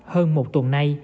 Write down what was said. hơn một tuần nay